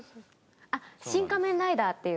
あっ「シン・仮面ライダー」っていう。